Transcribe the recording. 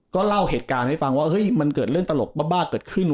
ก็เล่าเหตุการณ์ให้ฟังว่าเฮ้ยมันเกิดเรื่องตลกบ้าเกิดขึ้น